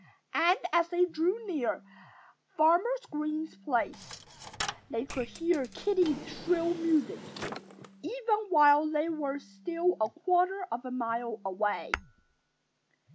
And as they drew near Farmer Green's place they could hear Kiddie's shrill music, even while they were still a quarter of a mile away.